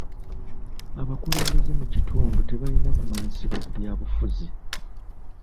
Abakulembeze mu kitundu tebalina kumanyisibwa ku byabufuzi.